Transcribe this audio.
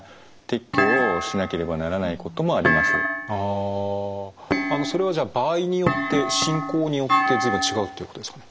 あのそれはじゃあ場合によって進行によって随分違うということですか？